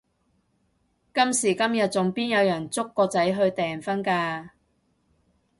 今時今日仲邊有人捉個仔去訂婚㗎？